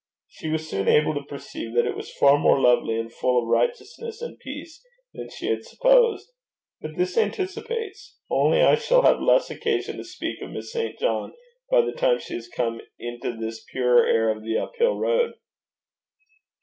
She was soon able to perceive that it was far more lovely and full of righteousness and peace than she had supposed. But this anticipates; only I shall have less occasion to speak of Miss St. John by the time she has come into this purer air of the uphill road.